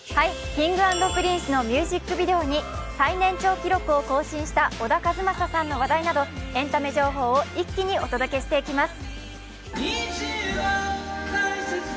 Ｋｉｎｇ＆Ｐｒｉｎｃｅのミュージックビデオに最年長記録を更新した小田和正さんの話題などエンタメ情報を一気にお届けしていきます。